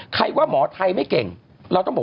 พี่เราหลุดมาไกลแล้วฝรั่งเศส